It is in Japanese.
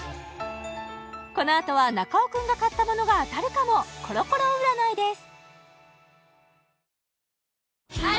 このあとは中尾君が買ったものが当たるかもコロコロ占いです